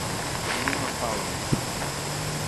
Anem a Pau.